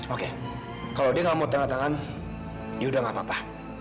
oke kalau dia gak mau tahan tahan yaudah gak apa apa